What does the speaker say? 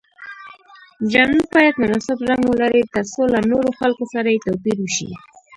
جامې باید مناسب رنګ ولري تر څو له نورو خلکو سره یې توپیر وشي.